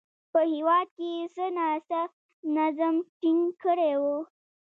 په هېواد کې یې څه ناڅه نظم ټینګ کړی و